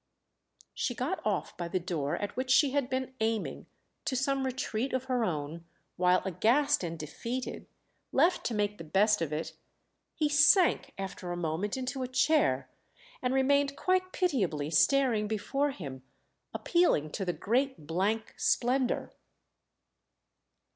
She got off by the door at which she had been aiming to some retreat of her own, while aghast and defeated, left to make the best of it, he sank after a moment into a chair and remained quite pitiably staring before him, appealing to the great blank splendour.